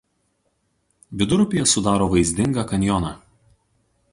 Vidurupyje sudaro vaizdingą kanjoną.